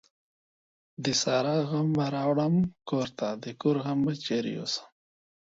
د سارا غم به راوړم کورته ، دکور غم به چيري يو سم ؟.